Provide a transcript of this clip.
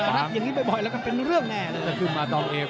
รับอย่างนี้บ่อยละก็เป็นเรื่องแน่